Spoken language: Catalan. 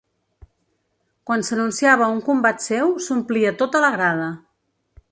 Quan s’anunciava un combat seu, s’omplia tota la grada.